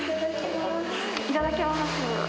いただきます。